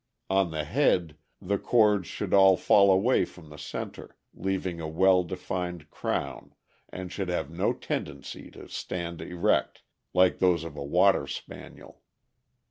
On the head the cords should all fall away from the center, leaving a well defined crown, and should have no tendency to stand erect, like those of a Water Spaniel.